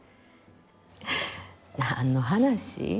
何の話？